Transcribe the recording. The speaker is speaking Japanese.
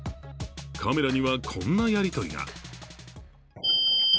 カメラには、こんなやりとりが。